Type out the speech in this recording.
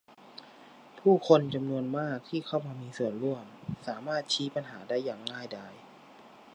ผู้คนจำนวนมากที่เข้ามามีส่วนร่วมสามารถชี้ปัญหาได้อย่างง่ายดาย